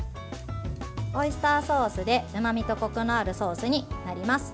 オイスターソースでうまみとこくのあるソースになります。